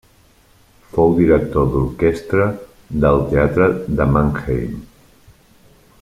Fou director d'orquestra del teatre de Mannheim.